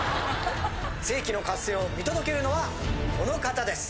世紀の合戦を見届けるのはこの方です。